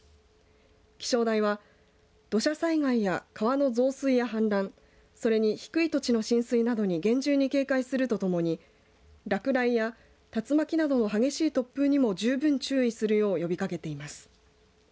気象台は土砂災害や川の増水や氾濫それに低い土地の浸水などに厳重に警戒するとともに落雷や竜巻などの激しい突風にも十分注意するよう呼びかけています。